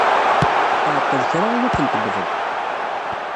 Tɛeṭṭel kra i wakken tewweḍ-d.